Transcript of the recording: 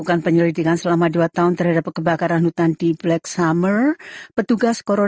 dan memberitahu orang australia apa kerja yang baik yang mereka lakukan